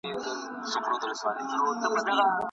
پارلمان مالي مرسته نه کموي.